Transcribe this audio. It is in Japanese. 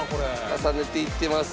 重ねていってます。